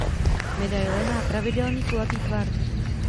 Medaile má pravidelný kulatý tvar.